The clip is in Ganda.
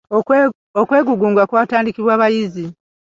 Okwegugunga kwatandikibwa bayizi.